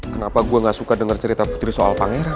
kenapa gue gak suka dengar cerita putri soal pangeran